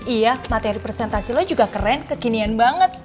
iya materi presentasi lo juga keren kekinian banget